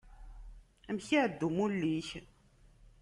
Amek iεedda umulli-k?